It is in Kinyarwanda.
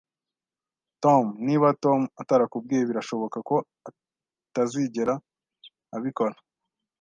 [Tom] Niba Tom atarakubwiye, birashoboka ko atazigera abikora